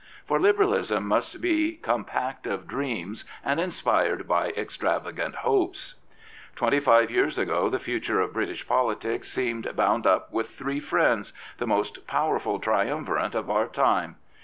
For Liberalism must be compact of dreams and inspired by " extravagant hopes." Twenty five years ago the future of British politics seemed bound up with three friends, the most power ful triumvirate of our time.